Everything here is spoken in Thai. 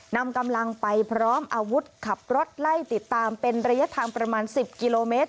นำกำลังไปพร้อมอาวุธขับรถไล่ติดตามเป็นระยะทางประมาณ๑๐กิโลเมตร